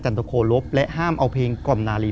ตะโครบและห้ามเอาเพลงกล่อมนาลี